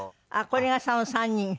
あっこれがその３人？